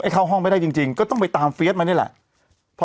เข้าห้องไม่ได้จริงก็ต้องไปตามเฟียสมานี่แหละ